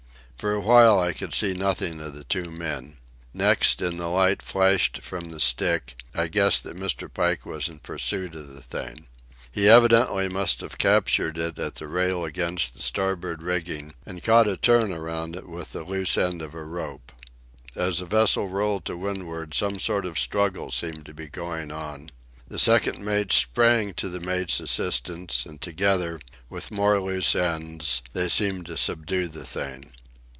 For a time I could see nothing of the two men. Next, in the light flashed from the stick, I guessed that Mr. Pike was in pursuit of the thing. He evidently must have captured it at the rail against the starboard rigging and caught a turn around it with a loose end of rope. As the vessel rolled to windward some sort of a struggle seemed to be going on. The second mate sprang to the mate's assistance, and, together, with more loose ends, they seemed to subdue the thing.